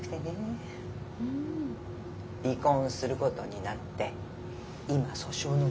離婚することになって今訴訟の真っ最中。